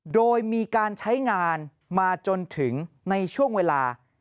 โดยมีการใช้งานมาจนถึงในช่วงเวลา